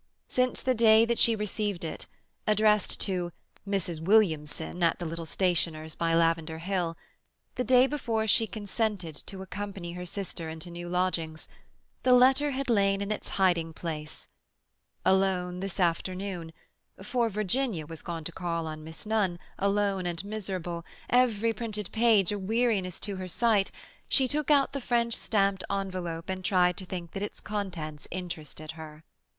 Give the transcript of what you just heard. Since the day that she received it—addressed to "Mrs. Williamson" at the little stationer's by Lavender Hill—the day before she consented to accompany her sister into new lodgings—the letter had lain in its hiding place. Alone this afternoon, for Virginia was gone to call on Miss Nunn, alone and miserable, every printed page a weariness to her sight, she took out the French stamped envelope and tried to think that its contents interested her.